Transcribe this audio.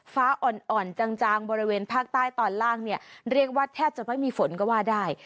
ฟ้าอ่อนจางบริเวณภาคใต้ตอนล่างเนี่ยเรียกว่าแทบจะไม่มีฝนก็ว่าได้